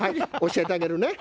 教えてあげるね。